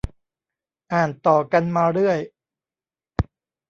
อ่านต่อกันมาเรื่อย